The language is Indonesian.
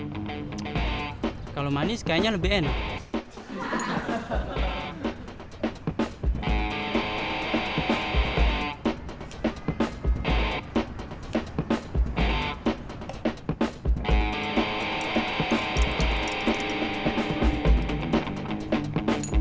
gue commands makanan wegasi